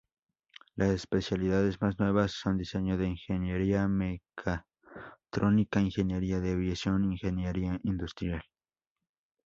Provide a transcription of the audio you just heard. Las especialidades más nuevas son diseño de ingeniería, mecatrónica, ingeniería de aviación, ingeniería industrial.